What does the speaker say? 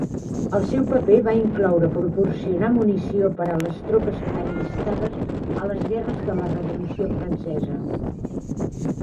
El seu paper va incloure proporcionar munició per a les tropes allistades a les guerres de la Revolució Francesa.